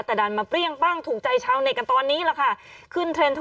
แต่ดันมาเปรี้ยงปั้งถูกใจชาวเน็ตกันตอนนี้แหละค่ะขึ้นเทรนดอ